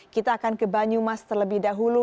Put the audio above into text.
kita akan ke banyumas terlebih dahulu